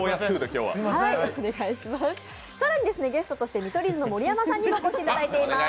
更にゲストとして見取り図の盛山さんにもお越しいただいています。